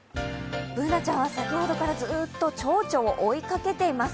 Ｂｏｏｎａちゃんは先ほどからずっとちょうちょを追いかけています。